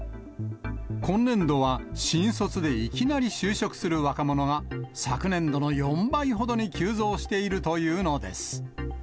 今年度は新卒でいきなり就職する若者が、昨年度の４倍ほどに急増しているというのです。